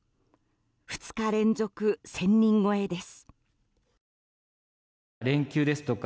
２日連続１０００人超えです。